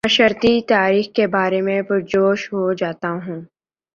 معاشرتی تحاریک کے بارے میں پر جوش ہو جاتا ہوں